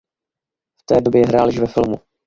V té době hrál již ve filmu.